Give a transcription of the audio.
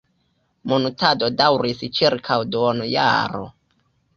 Muntado daŭris ĉirkaŭ duonjaro.